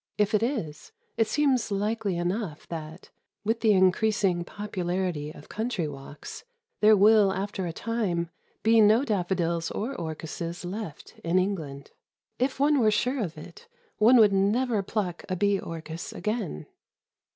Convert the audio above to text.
If it is, it seems likely enough that, with the increasing popularity of country walks, there will after a time be no daffodils or orchises left in England. If one were sure of it, one would never pluck a bee orchis again.